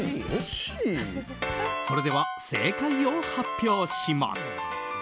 それでは、正解を発表します。